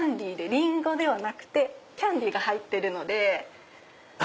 リンゴではなくてキャンディーが入ってるので。